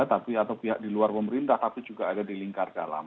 tapi atau pihak di luar pemerintah tapi juga ada di lingkar dalam